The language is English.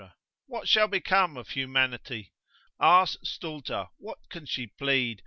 What shall become of humanity? Ars stulta, what can she plead?